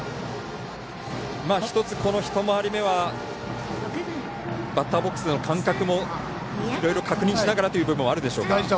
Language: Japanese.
一つ、この一回り目はバッターボックスの感覚もいろいろ確認しながらという部分もあるでしょうか。